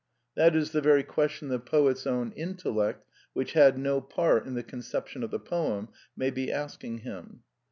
That Is the very question the poet's own intellect, which had no part in the conception of the poem, may be ask ing him.